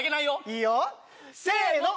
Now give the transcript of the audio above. いいよせの！